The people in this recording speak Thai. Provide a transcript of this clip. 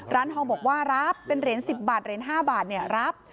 ร้านทองบอกว่ารับเป็นเหรียญ๑๐บาทเหรียญ๕บาทรับ